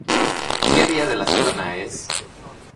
¿Qué día de la semana es?